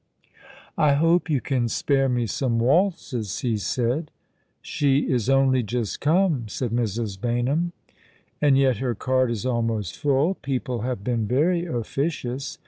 " I hope you can spare me some waltzes," he said. " She is only just come," said Mrs. Baynham. "And yet her card is almost full. People have been very officious.